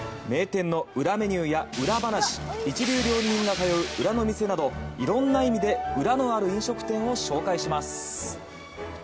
名店の裏メニューや裏話一流料理人が通う裏の店など色んな意味で裏のある飲食店を紹介します。